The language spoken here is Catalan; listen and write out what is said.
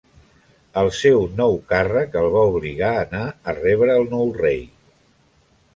El seu nou càrrec el va obligar a anar a rebre al nou rei.